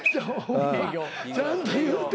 ちゃんと言うてや。